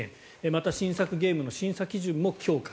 また新作ゲームの審査基準も強化。